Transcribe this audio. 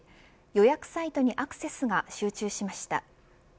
予約サイトにアクセスが集中しました。